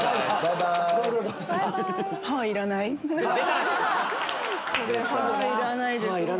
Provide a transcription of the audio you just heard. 歯いらないです。